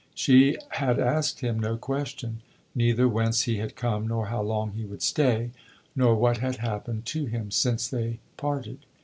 She had asked him no question neither whence he had come, nor how long he would stay, nor what had happened to him since they parted.